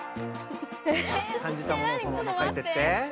かんじたものをそのままかいてって。